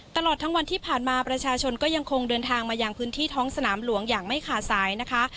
ตลอดทั้งวันที่ผ่านมาประชาชนก็ยังคงเดินทางมายังพื้นที่ท้องสนามหลวงอย่างไม่ขาดสายนะคะ